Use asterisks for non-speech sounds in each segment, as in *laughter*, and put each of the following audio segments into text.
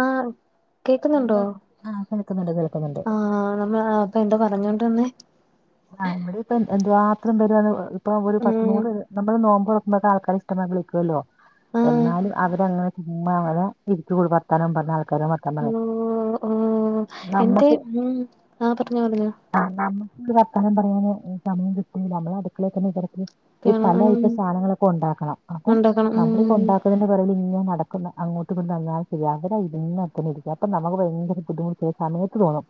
ആഹ് ആഹ് കേക്കുന്നുണ്ടോ കേൾ ആഹ് കേൾക്കുന്നുണ്ട് കേൾക്കുന്നുണ്ട് ആഹ് നമ്മ പ്പൊ എന്താ പറഞ്ഞോണ്ട്ന്നേ ആഹ് ഇവടീപ്പം എന്തുവാത്രം വെരാണ്ംഇപ്പം ഒര് ഉം പത്തുനൂറ് നമ്മള് നോമ്പൊർ മ്പത്തെ ആൾക്കാര് ഇഷ്ടമാതിരി വിളിക്കല്ലോ ആഹ് എന്നാലും അവരങ്ങനെ മഴ *unintelligible* പറഞ്ഞ ആൾക്കാര ഓഹ് ഓഹ് എൻ്റെ നമ്മക്ക് ഉം ആഹ് പറഞ്ഞോ പറഞ്ഞോ ആഹ് നമുക്ക് ഈ വർത്താനം പറയാന് സമയം കിട്ടൂല നമ്മള് അടുക്കളേ തന്നെ തിരക്ക് ഈ ക്കാണ് പല ഉം അയിറ്റ സാനങ്ങളൊക്കെ ഉണ്ടാക്കണം അപ്പൊ ഉണ്ടാക്കണം നമ്മളിപ്പം ഉം ഉണ്ടാക്കുന്ന ഞാ പറ്യല് ഇങ്ങനെ നടക്കുന്ന് അങ്ങോട്ട് കൊണ്ട് വന്നാലും ശരി അവരാ ഇരിന്നത്തെ ന്നെ ഇരിക്കും അപ്പ നമ്മക്ക് ഭയങ്കര ബുദ്ധിമുട്ട് സമയത്ത് തോന്നും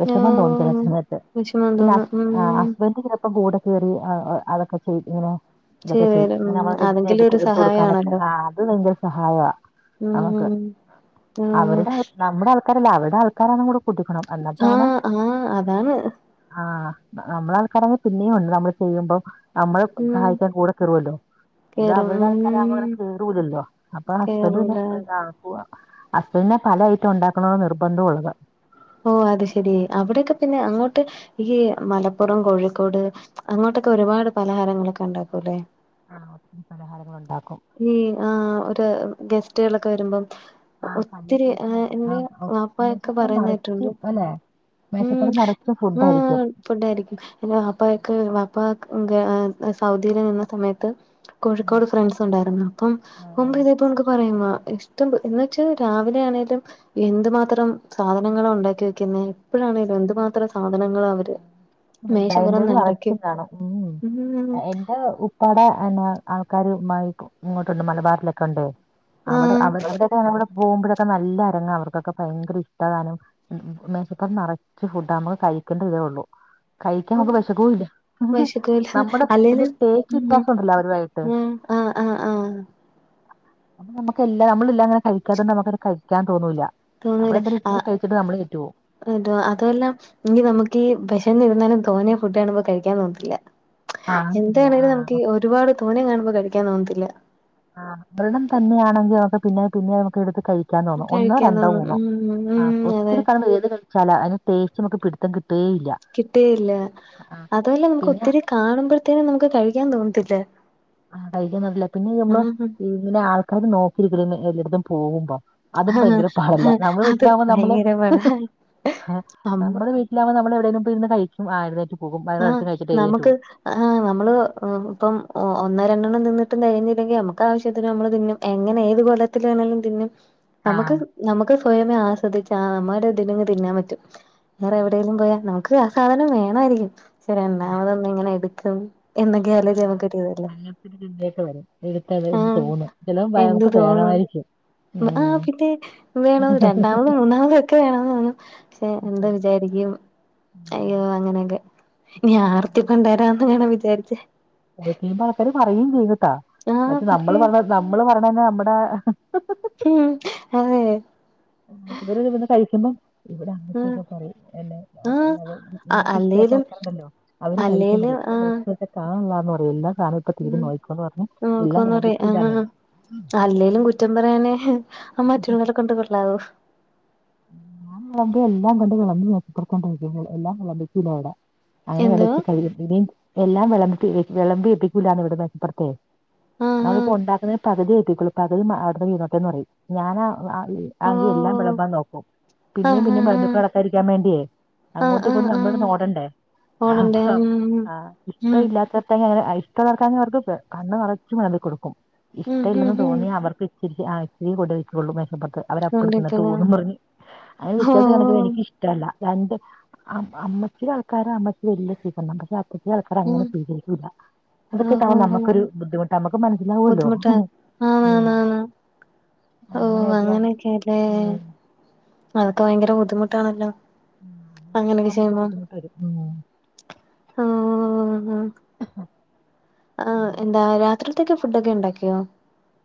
വിഷമം തോന്നും ചെല ആഹ് സമയത്ത് വിഷമം പിന്നെ തോന്നും ഉം ഹസ്ആ ഹസ് എന്തിക്കിലൊപ്പം കൂടെ കേറി ആ ആ അതൊക്കെ ചെയ്ത് ഇങ്ങനെ ഇതൊക്കെ ചെയ്തു തരും ചെയ്യും ഉം നമ്മൾ എടു എടു അതെങ്കിലും ഒരു എടുത്ത് കൊടുക്കാനൊക്കെ സഹായാണല്ലോ ആ അത് ഭയങ്കര സഹായാ നമുക്ക് ഉം ആഹ് അവരുടെ ആ നമ്മുടെ ആൾക്കാരല്ലാ അവരുടെ ആൾക്കാരാണ് ന്നൂടെ കുടിക്കണം എന്നിട്ടാണ് ആഹ് ആഹ് അതാണ് ആഹ നമ്മള ആൾക്കാരങ്ങെ പിന്നെയും ഉണ്ട് നമ്മള് ചെയ്യുമ്പോ നമ്മള് ഉം സഹായിക്കാൻ കൂടെ കേറുവല്ലോ ഇത് കേറും അവരുടെ ഉം ആൾക്കാരാവുമ്പോ ങ്ങനെ *unintelligible* കൂടുല്ലേ അപ്പൊ ഹസ്ബൻഡ് പിന്നെ കേറൂല ആ ഹസ്ബന്റ് പല അയിറ്റം ഉണ്ടാക്കണന്ന് നിർബന്ധം ള്ളത് ഓ അത് ശരി അവിടെയൊക്കെ പിന്നെ അങ്ങോട്ട് ഈ മലപ്പുറം കോഴിക്കോട് അങ്ങോട്ടൊക്കെ ഒരുപാട് പലഹാരങ്ങളൊക്കെ ഉണ്ടാക്കൂല്ലേ ആ ഒത്തിരി പലഹാരങ്ങളു ണ്ടാക്കും ഈ ആ ഒരു ഗെസ്റ്റു കളൊക്കെ വരുമ്പം ആഹ് പല്ല ഒത്തിരി ആഹ് സീസണല്ലേ എന്റെ ആം *unintelligible* വാപ്പയൊക്കെ മേശപ്പറം പറയുന്ന നറച്ച് കേട്ടിട്ടുണ്ട് അല്ലെ മേശപ്പുറം നിറച്ചും ഫുഡ് ആയിരിക്കും ഫുഡ ആയിരിക്കും എന്റെ വാപ്പൊക്കെ വാപ്പ സൗദിയിലാർന്ന സമയത്ത് ഉം കോഴിക്കോട് ഫ്രണ്ട്സ് ഉണ്ടായിരുന്നു അപ്പം മുമ്പ് ആഹ് ഇതപ്പോ നമുക്ക് പറയമോ ഇഷ്ടണ്ട് എന്ന് വെച്ച് രാവിലെ എണീറ്റ് എന്തുമാത്രം സാധനങ്ങളാ ഉണ്ടാക്കി വെക്കുന്നത് എപ്പോഴാണേലും എന്തുമാത്രം സാധനങ്ങള അവർ *unintelligible* ണ്ടാണം ഉം ഉം എന്റെ ഉ ഓടെ എന്ന ആൾക്കാർ ഇങ്ങോട്ടുണ്ട് മലബാറൽൊക്കെ ഉണ്ട് അവടെ ആഹ് അവ അവടെക്കെ *unintelligible* പോവുമ്പൊളൊക്കെ നല്ല അരങ്ങാ അവർകൊക്കെ ഇഷ്ടാതാനും ഉം ഉം മേശപ്പൊറം നറച്ച് ഫുഡാ നമ്മക്കേ കഴിക്കെണ്ടതേ ഒള്ളു കഴിക്കാൻ അപ്പം നമുക്ക് വെശക്കൂല്ലാ വിശക്കൂല നമ്മടെ ഫുഡിൽ അല്ലേലും ടേസ്സ് വ്യത്യാസൊണ്ടല്ലോ അവരുവായിട്ട് ഉം ആഹ് ആഹ് ആഹ് അപ്പ നമക്കെല്ലാ നമ്മളില്ലാങ്ങനെ കഴിക്കാതെന്നാ ഞമ്മക്കത് കഴിക്കാൻ തോന്നൂലാ തോന്നൂല ആഹ് എന്തുവ അതും അല്ലാ ഞ്ഞി നമ്മക്കീ വെഷന്നിരുന്നാലും തോനെ ഫുഡ് കാണുമ്പോ കഴിക്കാൻ തോന്നത്തില്ല ആഹ് ശരിയാ എന്താണേലും ആഹ് നമുക്കീ ഒരുപാട് തോനേ കാണുമ്പം കഴിക്കാൻ തോന്നത്തില്ല ആഹ് ദ്രണം തന്നെയാണെങ്കി നമുക്ക് പിന്നേം പിന്നേം നമുക്കെടുത്ത് കഴ് ക്ക്യാൻ തോന്നു ഒന്നോ കഴിക്കാൻ രണ്ടോ തോന്നും മൂന്നോ ഉം ഉം ആഹ് അതെ ഒത്തിരി കണ് ഏത് കഴ് ചല അയ്ന് ടേസ്റ്റമക്ക് പിട്ത്തം കിട്ടേ ഇല്ല കിട്ടേ ഇല്ല അതൊല്ലാ പിന്നെ നമുക്കൊത്തിരി കാണുമ്പോഴത്തേനും നമുക്ക് കഴിക്കാൻ തോന്നത്തില്ല അയ്‌ന്റെ നല്ലതിന് നമ്മള് ഉം ഇങ്ങനാൾക്കാര് നോക്കിയിരിക്ക എല്ലായ്ടത്തും പോകുമ്പം അതും ഭയ്ങ്കര പാടില്ല നമ്മളെ അത് വീട്ട്ലാവുമ്പം നമ്മൾ ഭയങ്കര പാടാ അമ്മ നമ്മളെ വീ ലാവുമ്പം നമ്മളെവ്ടേലും പോയിര്ന്ന് കഴിക്കും ആര്തേറ്റും ആഹ് നമക്ക് ആഹ് നമ്മള് ഇപ്പം ഒന്നോ രണ്ടെണ്ണം തിന്നിട്ടും തെകഞ്ഞീല്ലെങ്കി നമുകാവശ്യത്തിന് നമ്മള് തിന്നും എങ്ങനെ ഏത് കോലത്തിലാണേലും തിന്നും ആഹ് നമുക്ക് നമുക്ക് സ്വയമേ ആസ്വദിച്ച് ആ നമ്മടെ ഇതിന് തിന്നാൻ പറ്റും വേറെ എവിടേലും പോയാ നമുക്ക് ആ സാധനം വേണമായിരിക്കും പക്ഷെ രണ്ടാമതും ഒന്നെങ്ങനെ എടുക്കും എന്നൊക്കെ ആലോചിച്ച് നമുക്കൊരു ആഹ് ഇതല്ലേ *unintelligible* എടുത്തത് എന്ന് ആഹ് തോന്നും ചിലപ്പം എന്ത് നമുക്ക് തോന്നും വേണമായിരിക്കും ആഹ് പിന്നെ വേണം രണ്ടാമതും മൂന്നാമതും ഒക്കെ വേണോന്ന് തോന്നും പക്ഷെ എന്താ വിചാരിക്കും ഉം അയ്യോ അങ്ങനെയൊക്കെ ഇനി ആർത്തി പണ്ടാരവാന്ന് ആണോ വിചാരിച്ചേ കുറെ കഴിയുമ്പോൾ ആൾക്കാര് പറയുകയും ചെയ്യും കേട്ടോ ആഹ് പക്ഷേ നമ്മള് പറയ് പറയണെ നമ്മള് പറയണത് നമ്മടെ ഉം അങ്ങനെ *unintelligible* ര്ന്ന് കഴിക്കുമ്പം ഇവിടെ ഉം അങ്ങൻത്തെക്കെ പറയും എന്നെ ആഹ് *unintelligible* ആഹ് ഇവർക്ക് ഇഷ്ടാത്ത അല്ലേലും ആൾക്കാറുണ്ടല്ലോ അവര് കഴിക്കൻ അല്ലേലും പറയും ഇപ്പോ ആഹ് *unintelligible* എല്ലാ സാധന ഇപ്പ ഉം തീരുംനോയിക്കോന്ന് പറഞ്ഞു എല്ലാം നോക്കോന്ന് പറയാ വിളമ്പിക്കുല്ലാന്നെ ആഹ് അല്ലേലും കുറ്റം പറയാനേ അഹ് മറ്റുള്ളവരെ കൊണ്ട് കൊള്ളവോ ഞാൻ വിളമ്പി എല്ലാം കണ്ട് വിളമ്പി മോശ പുറത്ത് അങ്ങട്ട് ഇടുംഎല്ലാം വിളമ്പിച്ചില്ല അവിടെ അങ്ങനെ എന്തോ ഇളച്ചി *unintelligible* എല്ലാം വിളമ്പിവിളമ്പി വെപ്പിക്കൂല്ലന്ന് ഇവിട്ന്ന് ഇപ്പടുത്ത് ആഹ് നമ്മളിപ്പോ ഉണ്ടാക്കുന്ന പകുതി എത്തിക്കളു പകുതി അവിടുന്ന് തിന്നോട്ടെന്ന് പറയും ഞാനാ ആഹ് അത് എല്ലാം വിളമ്പാ നോക്കും പിന്നേ ആഹ് പിന്നേ ആഹ് *unintelligible* ഇരിക്കാൻ വേണ്ടിയേ ആഹ് അങ്ങോട്ട് ഇങ്ങോട്ട് ആഹ് ആഹ് നമ്മള്ന്ന ഓടേണ്ടേ പോണുണ്ട് ഉം *unintelligible* അഹ് ഇഷ്ടം ഉം ഇല്ലാത്തത്തങ്ങനെ അയ് *unintelligible* കണ്ണ് നിറച്ച് വിളമ്പികൊടുക്കും ഉം ഇഷ്ട ഉം ഇല്ലെന്ന് ഉം തോന്നി അവർക്ക് ശരിക്ക് ആ ഇച്ച്‌രി കൂടുതൽ വെച്ചൊ ള്ളു മേശ പൊർത്ത് അവര് അപ്പടെ തിന്ന് ട്ട് കൊണ്ടിക്കണ് പോന്നന്ന് പറഞ് അങ്ങനെ വ്യത്യാസം ഓഹ് കാണിക്കുമ്പോഎനിക്ക് ഇഷ്ടല്ല രണ്ട് അമ്മ അമ്മച്ചീടെ ആൾക്കാരെ അമ്മച്ചി വല്യ സീകരണാ പക്ഷെ പുതിയ ആൾക്കാരെ ഉം അങ്ങനെ സ്വീകരിക്കൂ ല്ല അതൊക്കെ ഓഹ് കാണുമ്പോ ഓഹ് നമ്മക്കൊരു ബുദ്ധിമുട്ടാ നമക്ക് മനസ്സിലാവല്ലോ ബുദ്ധിമുട്ടാ ഉം ഓ അങ്ങനെയൊക്കെയാണ് അങ്ങനെയൊക്കെല്ലേ ഉം അതൊക്കെ ഭയങ്കര ബുദ്ധിമുട്ടാണല്ലോ ഉം അങ്ങനെ അങ്ങനെയൊക്കെ ആവുമ്പോ ചെയ്യുമ്പോ ബുദ്ധിമുട്ട് വരും ഉം ആഹ് ആ ആ എന്താ രാത്രിത്തേക്ക് ഫുഡൊക്കെ ഉണ്ടാക്കിയോ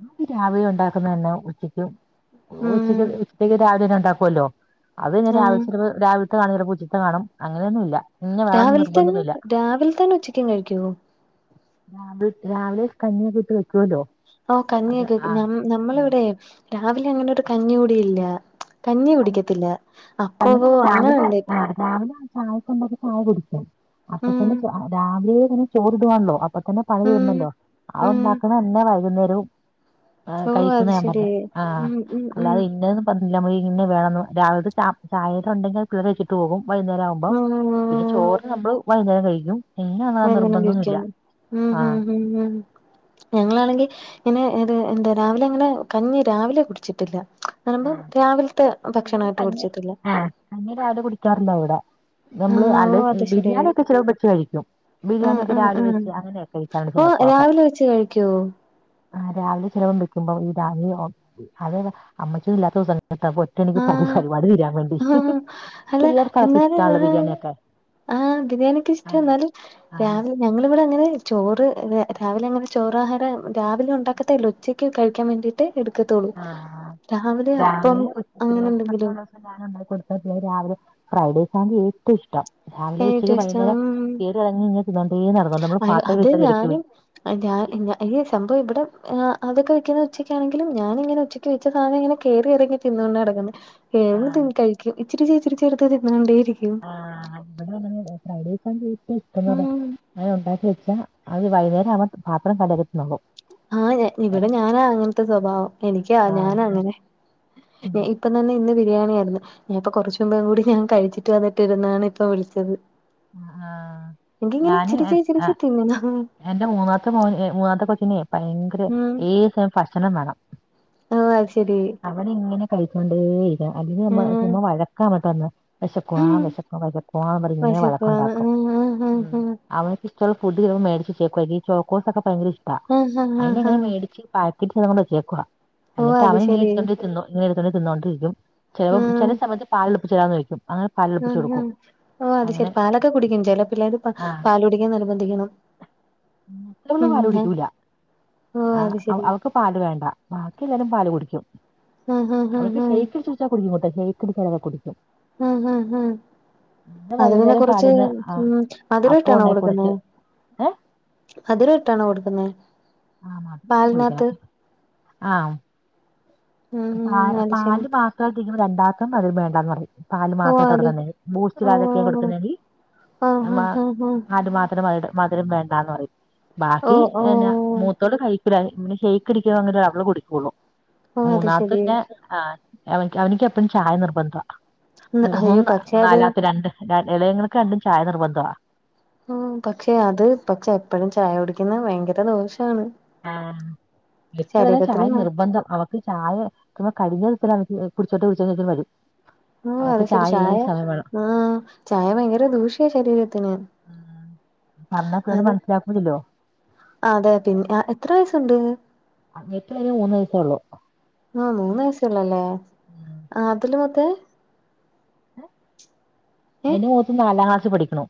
അതിരാവിലെ ഉണ്ടാക്കുന്നന്നെ ഉച്ചക്കും ഉച്ചയ്ക്ക് ഉം ഉച്ചക്ക് രാവിലന്നെ ഉണ്ടാക്കുവല്ലോ അത് ന്നെ ആഹ് രാവിലെ ചെലപ്പോ രാവി ത്തെ കാണില്ല ഉച്ചിത്തെ കാണും അങ്ങനെയൊന്നും ഇല്ല രാവിലെ തന്നെ രാവിലെ തന്നെ ഉച്ചക്ക് കഴിക്കുവോ രാവില രാവിലെ കഞ്ഞിയക്കെട്ട് വെക്കല്ലോ ഓ കഞ്ഞിയൊക്കെ നമ്മളെ ഇവിടെ രാവിലെ അങ്ങനെ ഒരു കഞ്ഞി കുടിയില്ല കഞ്ഞി കുടിക്കത്തില്ല അപ്പവ് രാവിലെ അങ്ങനണ്ടെ ആഹ് രാവിലെ ആ ചായ കൊണ്ടാക്കി ചായ കുടിക്കും അപ്പ ഉം തന്നെ രാവിലെ ഇങ്ങനെ ചോറിടുവാണല്ലോ അപ്പൊ തന്നെ പണി ഉം തീർന്നല്ലോ ആ ഉം ഉണ്ടാക്കുന്നന്നെ വൈകുന്നേരവും ആ ഓ അത് കഴിക്കുന്ന ശരി കണ്ടത് ആ ഉം ഉം ഉം അല്ലാതെ ഇന്നതൊ ന്നുല്ല ഇന്നെ വേണന്ന് രാവില്ത്തെ ചാ ചായ ഉണ്ടെങ്കിൽ തിന്നഴിച്ചിട്ട് പോകും വൈകുന്നരം ആവു മ്പം ഓ പിന്നെ ചോറ് നമ്മള് വൈകുന്നേരം കഴിക്കും ഇന്ന അങ്ങനെ നിർബന്ധൊന്നുല്ല കഴിക്കും ആഹ് ഹാ ഹാ ഹാ ഞങ്ങളാണെങ്കിൽ ഇങ്ങനെ ഏ എന്താ രാവിലെ അങ്ങനെ കഞ്ഞി രാവിലെ കുടിച്ചിട്ടില്ല പറയുമ്പം ആഹ് രാവിലത്തെ ഭക്ഷണമായിട്ട് കുടിച്ചിട്ടില്ല അന്നെ രാവിലെ കുടിക്കാറില്ലഇവിടെ നമ്മള് ആഹ് ഓ അല്ല അത് ശരി ബിരിയാണി ഒക്കെ ചെല പെച്ച് കഴിക്കും ബിരിയാണി ആഹ് ഒക്കെ ആഹ് രാവിലെ ആഹ് വെച്ച് അങ്ങനെയൊക്കെ കഴിക്കാറ്ണ്ട് ഓ ചെലപ്പൊക്കെ രാവിലെ വെച്ച് കഴിക്കോ ആ രാവിലെ ചെലവം വെക്കുമ്പോ ഈ രാവിലെ അതായത് അമ്മച്ചിയൊന്നും ഇല്ലാത്ത ദിവസം എനിക്ക് പടി ആഹ് പരിപാടി തീരാൻ വേണ്ടി ആഹ് അല്ല പിള്ളേർക്ക് എന്നാലും അതൊക്കെഇഷ്ടാണെല്ലാ ആഹ് ബിരിയാണിയൊക്കെ ആഹ് ബിരിയാണി യൊക്കെ ഇഷ്ട്ടാ ആഹ് എന്നാൽ ആഹ് രാവി ഞങ്ങളിവിടെ അങ്ങനെ ചോറ് രാവിലെ അങ്ങനെ ചോറ് ആഹാരം രാവിലെ ഉണ്ടാക്കത്തേയില്ല ഉച്ചയ്ക്ക് കഴിക്കാൻ വേണ്ടി ട്ട് എടുക്കത്തോളൂ രാവിലെ അപ്പം അങ്ങനെ പിള്ളേര് എന്തെങ്കിലും മാത്രമുള്ള ദിവസം ഞാനു ണ്ടാക്കി കൊടുത്തെ രാവിലെ ഫ്രൈഡ്റൈസ് ആണെങ്കി ഏറ്റവും ഇഷ്ടം രാവിലെ ഏ ഉച്ചക്ക് ടേസ്റ്റ് വൈന്നേരം ഉം കേട് ഇറങ്ങി ഇങ്ങനെ തിന്നോണ്ടേ നടന്നോണ്ട് നമ്മള് അയ്യോ പാത്രം വെച്ച് അത് ഇടക്ക് പോയി ഞാനും ഞാൻ ഈ സംഭവം ഇവിടെ അതൊക്കെ വെക്കുന്ന ഉച്ചക്കാണെങ്കിലും ഞാാനിങ്ങനെ ഉച്ച ക്ക് വെച്ച സാധന ഇങ്ങനെ കേറിയിറങ്ങി തിന്നോണ്ട് നടക്കുന്നു ഏ കഴിക്കും ഇച്ചിരി ഇച്ചിരി ചെറുത് തിന്നോണ്ടേയിരിക്കും ആ ഇവിടെ ഫ്രൈഡേസ ചറ്റ ഇഷ്ടംന്ന് പറ ഉം അനെ ഉണ്ടാക്കി വെച്ച അത് *unintelligible* ആഹ് ഇവിടെ ഞാനാ അങ്ങനത്തെ സ്വഭാവം എനിക്ക ആ, ഞാനങ്ങനെ ഇപ്പം തന്നെ ഇന്ന് ബിരിയാണി ആയിരുന്നു ഞാൻ ഇപ്പ കുറച്ചുമ്പും കൂടി ഞാൻ കഴിച്ചിട്ട് വന്നിട്ടിരുന്നാണ് ഇപ്പ വിളിച്ചത് ആ, എനിക്കി ഇങ്ങനെ ഞാന് ഇചിരിച്ചേ എ- ആ, ഇചിരിച്ചേ തിന്നണം എന്റെ മൂന്നാത്തെ മൂന്നാത്തെ കൊച്ചിനെ ഉം ഏ *unintelligible* ഭക്ഷണം വേണം ഓഹ് അത് ശരി അവിടെ ഇങ്ങനെ കഴിച്ചോണ്ടോയിരിക്കണം. അല്ലെങ്കിൽ നമ്മ ആഹ് ചുമ വഴക്കാഇങ്ങട്ട് വന്ന വിശക്കുവാ ഉം വിശക്കുവാ വിശക്കു പറഞ്ഞിങ്ങെനെ വിശക്കുവാണ് വഴക്കുണ്ടാക്കും ആഹ് ആഹ് ഉം ആഹ് അവൻക്ക് ഇഷ്ടള്ള ഫുഡ് ചിലപ്പോൾ മേടിച്ച് വെചേക്കു വാ ഈ ചോക്കോസൊക്കെ ഭയങ്കര ഇഷ്ടാ ആഹ് ആഹ് അയിന് ആഹ് ഇങ്ങനെ ആഹ് മേടിച്ച് കൊ ചേക്കുക ഓ എന്നിട്ട് അത് അവന ഇങ്ങന ശെരി എടുത്ത്കൊണ്ട് ന്ന ഇങ്ങനെ എടുത്തൊണ്ട തിന്നോണ്ടിരിക്കും ചിലപ്പോ ചില സമയത്ത് പാലിൽ *unintelligible* കഴിക്കും അങ്ങനെ ഉ് പാലുടിപ്പിച്ച് ഹ കൊടുക്കും ഓ അത് അങ്ങനെ ശരി പാലൊക്കെ കുടിക്കും ചിലപ്പിള്ളേര് ആഹ് പാൽ കുടിക്കാ നിർബന്ധിക്കണം ഇതൊന്നും ഉം പാല് ഞാൻ കുടിക്കൂല ഓ ആ അത് ശെരി അവക്ക് പാല് വേണ്ട. ബാക്കി എല്ലാരും പാൽ കുടിക്കും. ആഹ് ആഹ് ഓൾക്ക് ആഹ് ശെയ്ക് *unintelligible* ശെയ്ക്ക് കുടിക്കാനൊക്കെ കുടിക്കും. ആ ഹ ഹ. പിന്നെ അതിനെ വൈകുന്നേരം കുറിച്ച് പാലിന്ന് ആഹ് ഉം. അപ്പം മധുരട്ടാണോ ഉണ്ടാക്കി കൊടുക്കുന്നേ. കൊടുത്ത് ഏഹ് മധുര ഇട്ടാണോ കൊടുക്കുന്നെ ആ. മധുരട്ടാ കുടിക്കണെ. ആ. ഉം പ ഉം അത് ശെരി പാല് ആ മാത്ര്പോ രണ്ടാത്തംപറയും വേണ്ടാന്ന് പറയും. പാല് ഓ മാത്രം ഇട്ട് അത് കൊടുക്കേണ്ടി വരും ബൂസ്റ്റ് ഓ ഇടതൊക്കെ കൊടുക്കുന്നെങ്കി ആഹ് ആഹ് ആഹ് ആഹ് പാല് മാത്രം മാതി മധുരം വേണ്ടാന്ന് പറയും. ഓ ബാക്കി ഓ എന്നാ മൂത്തോള്‌കഴിപ്പില പിന്നെ ഷെയ്ക്ക് ടിക്ക അങ്ങനെ അവള് കുടിക്കുള്ളൂ ഓ അത് ശെരി മൂന്നാമത്ത്ന്നെ ആഹ് അവൻ അവൻക്ക് എപ്പഴും ചായ നിർബന്ധം അയ്യോ മൂന്ന് പക്ഷെ അത് നാലാത്ത രണ്ട് ഇളയങ്ങൾക്ക് രണ്ടും ചായ നിർബന്ധവാ ഉം പക്ഷെ അത് പക്ഷെ എപ്പഴും ചായ കുടിക്കുന്നത് ഭയങ്കര ദോഷാണ് ആഹ് എറ്റതുഅത്ചായ ശരീരത്തിന് നിർബന്ധം അവ ഹ് ചായ കഴിഞ് *unintelligible* കുടിച്ചോട്ട് കുടിചോ യ്ച്ചാണ്ട് വരു ഓഹ് അത് ശരി ചായ ആഹ് ചായ ഭയങ്കര ദൂഷ്യ ശരീരത്തിന് ഉം അത് പറഞ്ഞൊക്കത്‌മനസ്സിലാക്കുല്ലോ അതെ പിന്നെ എത്ര വയസ്സുണ്ട് അങ്ങേക്ക് ഒരു മൂന്ന് വയസ്സ്ഉള്ളൂ ആഹ് മൂന്ന്‌വയസ്സ് ഉള്ളൂല്ലേ ഉം. ആഹ് അതില് മത്തേ ഏഹ് ഏഹ് അതിന് മൂത്ത് നാലാം ക്ലാസ്സ് പഠിക്ക്ണു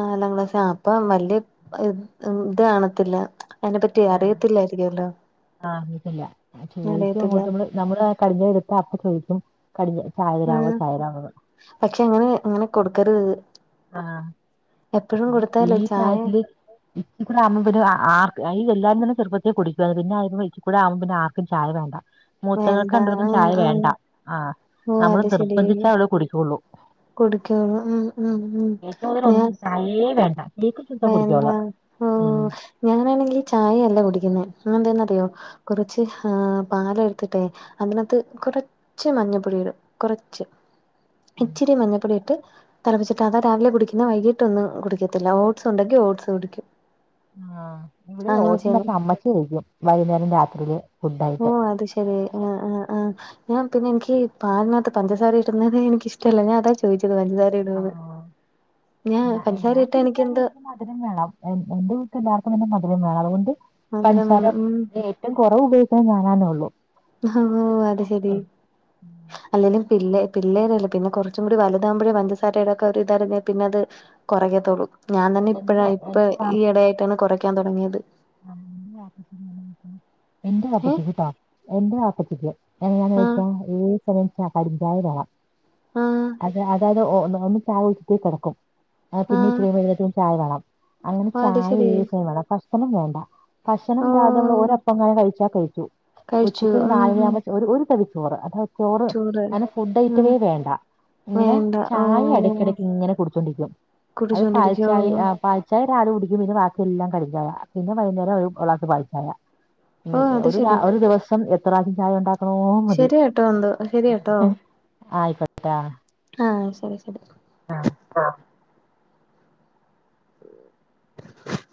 ആഹ് നാലാം ക്ലാസ്സ് അപ്പൊ വല്യയ *unintelligible* ഇത് കാണത്തില്ല അയ്നെ പറ്റി അറിയത്തില്ലായിരിക്കോല്ലോ ആഹ് അറിഞ്ഞിട്ടില്ല ചോദിക്കും ങ്ങോട്ട് നമ്മള് കടിഞ്ഞത് എടുത്ത അപ്പോചോദിക്കു കല്ല് ചായരാവോ ആഹ് ചായരാവോ പക്ഷെ ഇങ്ങനെ ഇങ്ങനെ കൊടുക്കരുത് ആഹ് എപ്പഴും ഇനി കൊടുത്താലേ ഈ ചായ പ്രായത്തില് *unintelligible* പിന്നെ ആർക്കും ചായ വേണ്ട മൂത്തങ്ങൾക്ക് വേണ്ട രണ്ടാൾക്കും ആഹ് ചായ ആഹ് വേണ്ട ആഹ് ഓഹ് നമ്മള് നിർബന്ധിച്ച അവള് കുടിക്കുള്ളൂ കൊടുക്കു ഉള്ളൂ ഉം ഉം ഉം ഞാ അല്ലീ വേണ്ട കേക്ക് ചുട്ടാ കുടിക്കും വേണ്ട അവള് പ്പോ ഞങ്ങൾ അണെങ്കി ചായയല്ല കുടിക്കുന്ന എന്താന്നറിയോ കുറച്ച് ഹ് ആഹ് പാല് എടുത്തിട്ടേ അതിനകത്ത് കുറച്ച് മഞ്ഞപ്പൊടി ഇടും കുറച്ച് ഉം ഇച്ചിരി മഞ്ഞപ്പൊടിയിട്ട് തിളപ്പിച്ചിട്ട് അതാ രാവിലെ കുടിക്കുന്നേ. വൈകിട്ട് ഒന്നും കുടിക്കത്തില്ല. ഓ ഓട്സുണ്ടെിൽ ഓട്സ് കുടിക്കും. ആഹ്, ഇവെടെ അങ്ങനെ ചെയ്യുന്നെ ഓട്സിനൊക്കെ അമ്മച്ചി കഴിക്കും. വൈകുന്നേരം രാത്രിയില്. ഓ ഫുഡായിട്ട് അത് ശെ ഏഹ്, ആഹ് ആഹ് ആഹ് ഞാൻ പിന്നെ എനിക്ക് ഈ പാലിനാത്ത് പഞ്ചസാരയിടുന്നതേ എനിക്ക് ഇഷ്ടല്ല. ഞാൻ അതാ ചോ ചോദിച്ചതാ പഞ്ചസാരയിടൂന്ന്. ആഹ് ഞാ ഞാൻ ഞാൻ പഞ്ചസാരയിട്ടാ കുടിക്കാതെ എനിക്കെന്തോ. എനിക്ക് മധുരം വേണം. എ എന്റെ വീട്ടിൽ എല്ലാവർക്കും തന്നെ മധുരം വേണം. അതുകൊണ്ട് മധുരം പൻസാര വേണം ഉം ഏഹ് ഏറ്റവും കൊറവ് ഉപയോഗിക്കുന്നത് ഞാനാന്നേ ഒള്ളൂ. ഓ അത് ശെരി ഉം അല്ലേലും പിള്ളേ പിള്ളേരെല്ലേ. പിന്നെ കുറച്ചു കൂടി വലുതാമ്പഴേ പഞ്ചസാരയുടെക്കെയിതറിഞ്ഞേ പിന്നെ അത്. കൊറയ്ക്കത്തൊള്ളൂ. ഞാൻ തന്നെ എന്റെ ഇപ്പഴാ ഇപ്പ എന്റെ വാപ്പച്ചി ഇയിടെയായിട്ടാണ് കൊറയ്ക്കാൻ തൊടങ്ങിയത്. *inaudible* എന്റെ ഏ ആപ്പച്ചിക്ക് കേട്ടോ. എന്റെ ആപ്പച്ചിക്ക്. എങ്ങനാന്ന് ആ വെച്ചാ ഈ സമയം ച കടുംചായ വേണം ആ അത്, അതാത് ഓ ഒന്ന് ചാകും. പോയ് കെടക്കും. ആ പിന്നെ ഇച്ചിരി കഴിയുമ്പം എഴുന്നേറ്റ് വന്ന് ചായ വേണം. അങ്ങനെ ഓ അത് ചായ ശരി ഏത് സമയവും വേണം. ഭക്ഷണം വേണ്ട. ഭക്ഷണം ഓ താ നമ്മെള് താ ഒരപ്പങ്ങാനും കഴിച്ചാ കഴിച്ചു. കഴിച്ചു ഉച്ചയ്ക്ക് ഒരു ഉം നാല് മണി ഉം ആകുമ്പോ ഒരു തവി ചോറ് അത ചോറ് അങ്ങനെ ഫുഡ് ഉം ഐറ്റമേ വേണ്ട ഇങ്ങനെ വേണ്ട ഓ ചായ ഇടയ്ക്കിടക്ക് ഇങ്ങനെ കുടിച്ചോണ്ടിരിക്കും അത് പാൽച്ചായ കുടിച്ചോണ്ടിരിക്കുവോ പാൽ പക്ഷേ ഒരാള് കുടിക്ക്പ പിന്ന വാക്കിയെല്ലാം കടിച്ചായ പിന്നെ വൈകുന്നര ഒരു ഗ്ലാസ് പാൽച്ചായാ ഓ അത് ഒരു ശരി ഒരു ദിവസം എത്രധികം ചായ ഉണ്ടാക്കും ശരിയാട്ടോ എന്തോ ശരിയാട്ടോ ആയിക്കട്ടാ ട്ടോ ആഹ് ശരി ശരി *unintelligible*